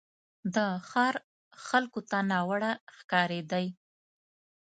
د ښار خلکو ته ناوړه ښکارېدی.